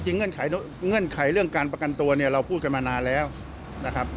เงื่อนไขเรื่องการประกันตัวเนี่ยเราพูดกันมานานแล้วนะครับ